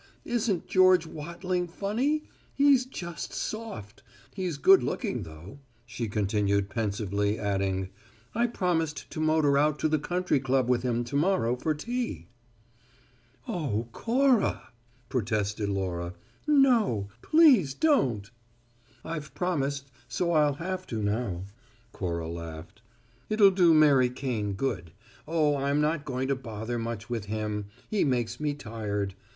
isn't George Wattling funny? He's just soft! He's good looking though," she continued pensively, adding, "I promised to motor out to the Country Club with him to morrow for tea." "Oh, Cora," protested Laura, "no! Please don't!" "I've promised; so I'll have to, now." Cora laughed. "It'll do Mary Kane good. Oh, I'm not going to bother much with him he makes me tired.